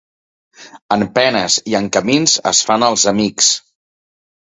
En penes i en camins es fan els amics.